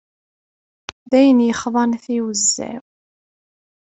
D ayen yexḍan tiwezza-w.